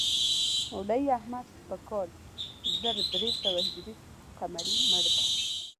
مولوي احمد په کال زر درې سوه هجري قمري مړ دی.